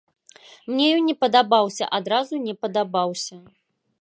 Мне ён не падабаўся, адразу не падабаўся.